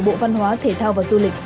bộ văn hóa thể thao và du lịch